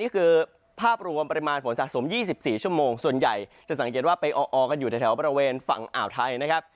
นี่คือภาพรวมปริมาณฝนสะสม๒๔ชั่วโมงส่วนใหญ่จะสังเกตว่าไปออกันอยู่แถวบริเวณฝั่งอ่าวไทยนะครับ